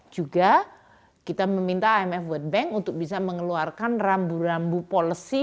juga kita meminta imf world bank untuk bisa mengeluarkan rambu rambu policy